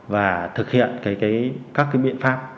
và thực hiện các cái biện pháp